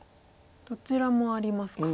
どちらもありますか。